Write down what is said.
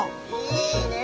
いいねえ！